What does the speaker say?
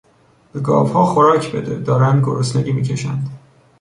به گاوها خوراک بده، دارند گرسنگی میکشند.